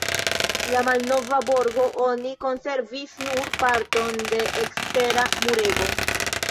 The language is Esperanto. El malnova borgo oni konservis nur parton de ekstera murego.